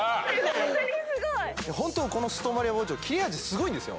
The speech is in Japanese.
ホントにすごいホントこのストーンバリア包丁切れ味すごいんですよ